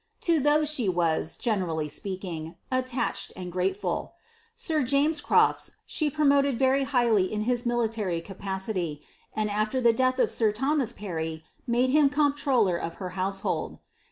^ To those she was, generally speaking, attached patefuL Sif James CroAs she promoted very highly in his mili* capacity, and after the death of sir Thomas Parry, made him comp Br of her household.